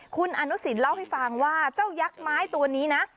คุณอนุสินเล่าให้ฟังว่าเจ้ายักษ์ไม้ตัวนี้นะ